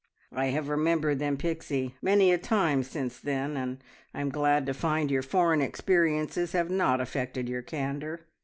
I have remembered them, Pixie, many a time since then, and I'm glad to find your foreign experiences have not affected your candour.